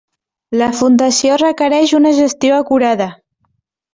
La fundació requereix una gestió acurada.